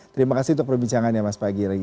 terima kasih untuk perbincangan ya mas pagi hari ini